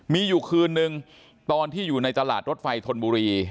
มีอยู่คืนนึงตอนที่อยู่ในตลาดรถไฟธนบุรี